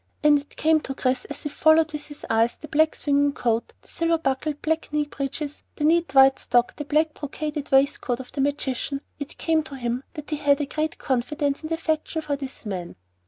And it came to Chris as he followed with his eyes the black swinging coat, the silver buckled black knee breeches, the neat white stock and black brocaded waistcoat of the magician, it came to him that he had a great confidence and affection for this man.